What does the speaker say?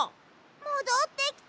もどってきた。